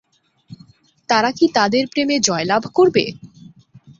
তারা কি তাদের প্রেমে জয়লাভ করবে?